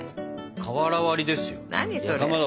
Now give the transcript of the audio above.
瓦割りですよ。